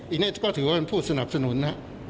อันนี้ก็ถือว่าเป็นผู้สนับสนุนนะ